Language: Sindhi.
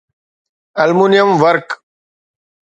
المونيم ورق